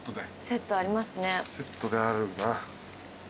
セットであるんだ。